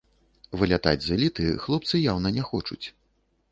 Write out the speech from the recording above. Вылятаць з эліты хлопцы яўна не хочуць.